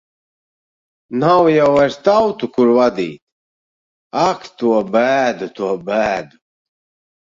Nav jau vairs tautu, kur vadīt. Ak, to bēdu! To bēdu!